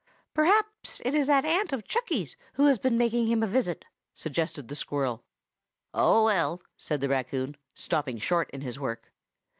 "Perhaps it is that aunt of Chucky's who has been making him a visit," suggested the squirrel. "Oh, well!" said the raccoon, stopping short in his work.